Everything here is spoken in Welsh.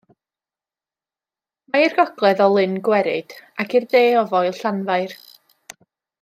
Mae i'r gogledd o Lyn Gweryd ac i'r de o Foel Llanfair.